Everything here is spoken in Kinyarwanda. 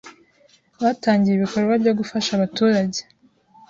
batangiye ibikorwa byo gufasha abaturage